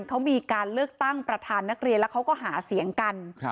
เขามีการเลือกตั้งประธานนักเรียนแล้วเขาก็หาเสียงกัน